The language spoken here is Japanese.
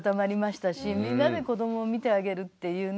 みんなで子どもを見てあげるっていうね